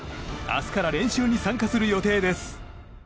明日から練習に参加する予定です。